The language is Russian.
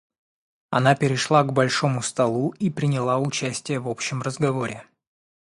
Она перешла к большому столу и приняла участие в общем разговоре.